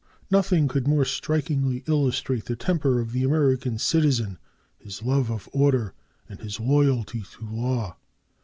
Nothing could more strikingly illustrate the temper of the American citizen, his love of order, and his loyalty to law.